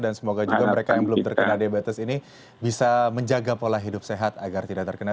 dan semoga juga mereka yang belum terkena diabetes ini bisa menjaga pola hidup sehat agar tidak terkena